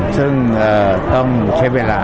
ซึ่งต้องใช้เวลา